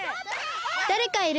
だれかいる！